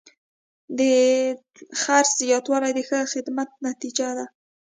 د خرڅ زیاتوالی د ښه خدمت نتیجه ده.